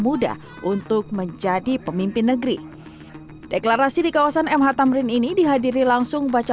muda untuk menjadi pemimpin negeri deklarasi di kawasan mh tamrin ini dihadiri langsung baca